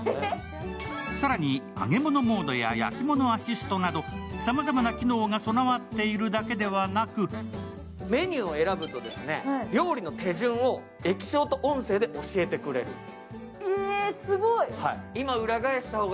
更に揚げ物モードや焼き物アシストなど、さまざまな機能が備わっているだけではなくメニューを選ぶと料理の手順を液晶と音声で教えてくれる。